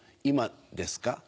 今ですか？